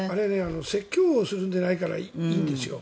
説教をするのでないからいいんですよ。